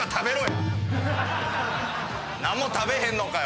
何も食べへんのか？